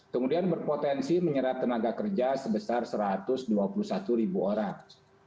kemudian berpotensi menyerap tenaga kerja sebesar satu ratus dua puluh satu ribu orang